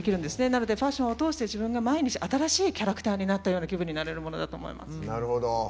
なのでファッションを通して自分が毎日新しいキャラクターになった気分になれるようなものだと思います。